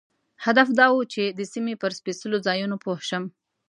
هدف دا و چې د سیمې پر سپېڅلو ځایونو پوه شم.